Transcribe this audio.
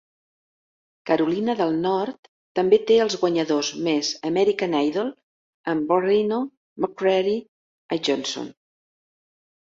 Carolina del Nord també té els guanyadors més "American Idol" amb Barrino, McCreery i Johnson.